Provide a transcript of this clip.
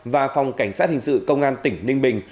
và phòng cảnh sát hình sự công an tỉnh ninh bình